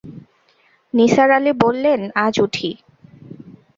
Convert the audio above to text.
নিসার আলি বললেন, আজ উঠি।